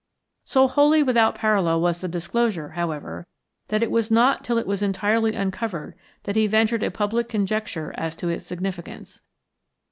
So wholly without parallel was the disclosure, however, that it was not till it was entirely uncovered that he ventured a public conjecture as to its significance.